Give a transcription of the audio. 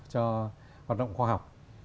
cho hoạt động khoa học